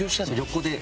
横で。